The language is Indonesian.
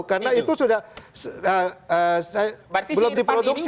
karena itu sudah belum diproduksi